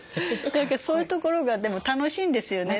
何かそういうところがでも楽しいんですよね。